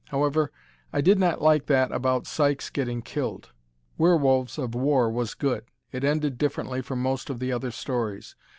However, I did not like that about Sykes getting killed. "Werewolves of War" was good. It ended differently from most of the other stories.